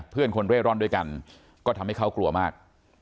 เพื่อนคนเร่ร่อนด้วยกันก็ทำให้เขากลัวมาก